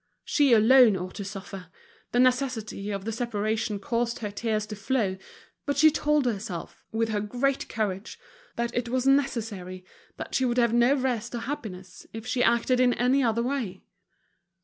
She alone ought to suffer. The necessity for the separation caused her tears to flow, but she told herself, with her great courage, that it was necessary, that she would have no rest or happiness if she acted in any other way.